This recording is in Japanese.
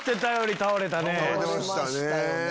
倒れてましたね。